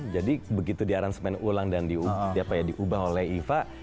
jadi begitu di aransemen ulang dan diubah oleh iva